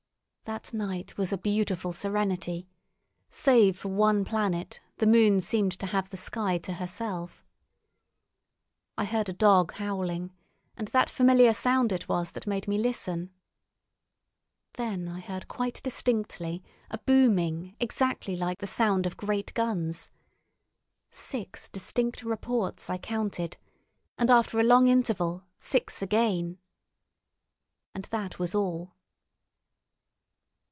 That night was a beautiful serenity; save for one planet, the moon seemed to have the sky to herself. I heard a dog howling, and that familiar sound it was that made me listen. Then I heard quite distinctly a booming exactly like the sound of great guns. Six distinct reports I counted, and after a long interval six again. And that was all.